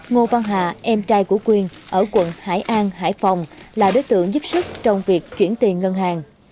ngô văn hà em trai của quyền ở quận hải an hải phòng là đối tượng giúp sức trong việc chuyển tiền ngân hàng